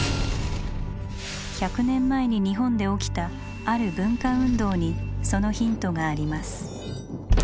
１００年前に日本で起きたある「文化運動」にそのヒントがあります。